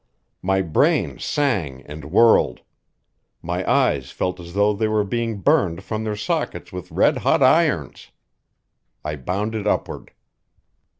My brain sang and whirled. My eyes felt as though they were being burned from their sockets with red hot irons. I bounded upward.